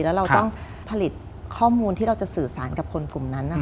แล้วเราต้องผลิตข้อมูลที่เราจะสื่อสารกับคนกลุ่มนั้น